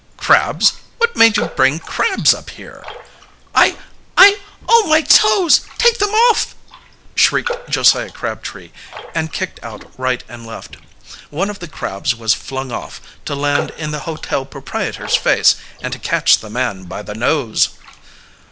"Crabs? What made you bring crabs up here?" "I I oh, my toes! Take them off!" shrieked Josiah Crabtree, and kicked out right and left. One of the crabs was flung off, to land in the hotel proprietor's face and to catch the man by the nose.